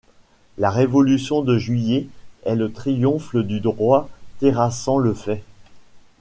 La révolution de juillet est le triomphe du droit terrassant le fait.